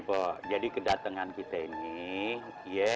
begini jadi kedatengan kita ini